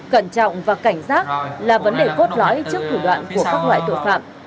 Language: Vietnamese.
cẩn trọng và cảnh giác là vấn đề cốt lõi trước thủ đoạn của các loại tội phạm